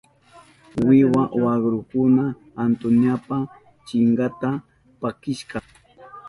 Wiwa wakrakuna Antoniopa kinchanta pakishka.